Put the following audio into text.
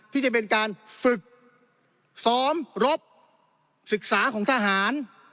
ที่จะเป็นการฝึกซ้อมรบศึกษาของทหาร